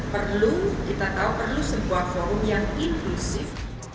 perlu kita tahu perlu sebuah forum yang inklusif